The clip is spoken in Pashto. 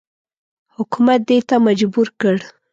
حکومت دې ته مجبور کړ.